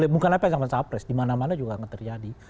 bukan hanya pasangan capres dimana mana juga ngeterjadi